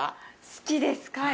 好きです、貝。